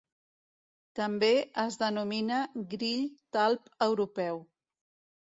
També es denomina grill talp europeu.